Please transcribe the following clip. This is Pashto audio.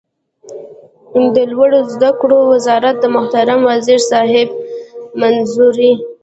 د لوړو زده کړو وزارت د محترم وزیر صاحب منظوري